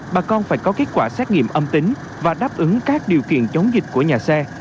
bà con phải có kết quả xét nghiệm âm tính và đáp ứng các điều kiện chống dịch của nhà xe